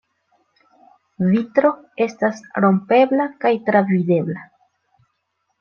Vitro estas rompebla kaj travidebla.